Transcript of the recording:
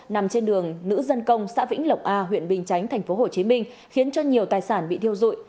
nằm trên đường nữ dân công xã vĩnh lộc a huyện bình chánh tp hcm khiến cho nhiều tài sản bị thiêu dụi